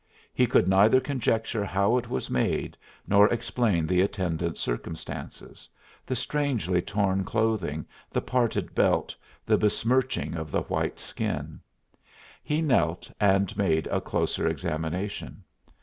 He could neither conjecture how it was made nor explain the attendant circumstances the strangely torn clothing, the parted belt, the besmirching of the white skin. He knelt and made a closer examination.